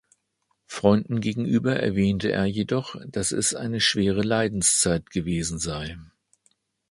Freunden gegenüber erwähnte er jedoch, dass es eine schwere Leidenszeit gewesen sei.